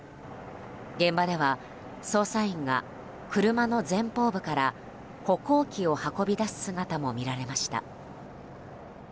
現場では捜査員が車の前方部から歩行器を運び出す姿も見られました。